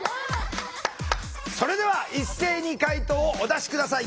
それでは一斉に解答をお出し下さい。